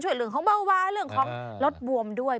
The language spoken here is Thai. เรื่องของเบาวาเรื่องของรถบวมด้วย